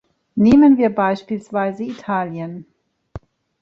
Nehmen wir beispielsweise Italien.